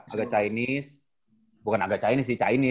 agak chinese bukan agak chinese sih chinese